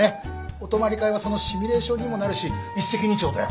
お泊まり会はそのシミュレーションにもなるし一石二鳥だよ。